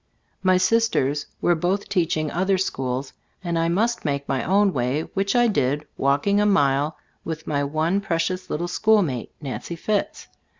My sisters were both teaching other schools, and I must make my own way, which I did, walking a mile with my one pre cious little schoolmate, Nancy Fitts.